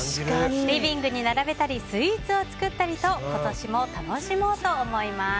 リビングに並べたりスイーツを作ったりと今年も楽しもうと思います。